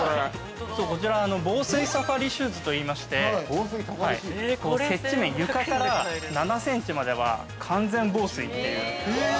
◆こちら、防水サファリシューズといいまして、接地面、床から７センチまでは完全防水という。